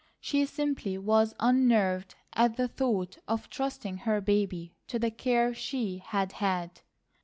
She simply was unnerved at the thought of trusting her baby to the care she had had."